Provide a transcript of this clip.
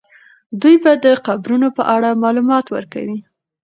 دوی به د قبرونو په اړه معلومات ورکوي.